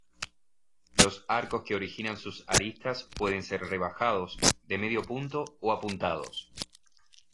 Los arcos que originan sus aristas pueden ser rebajados, de medio punto o apuntados.